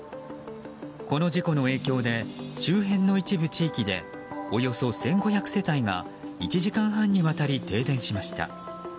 この事故の影響で周辺の一部地域でおよそ１５００世帯が１時間半にわたり停電しました。